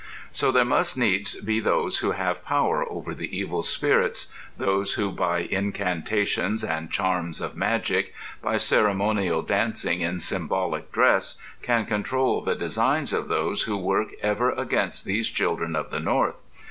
So there must needs be those who have power over the evil spirits, those who by incantations and charms of magic, by ceremonial dancing in symbolic dress, can control the designs of those who work ever against these children of the North.